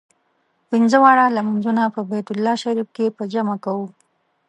پنځه واړه لمونځونه په بیت الله شریف کې په جمع کوو.